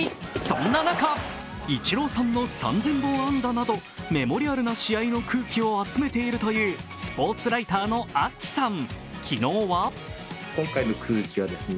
そんな中、イチローさんの３０００本安打などメモリアルな試合の空気を集めているスポーツライターのＡｋｉさん。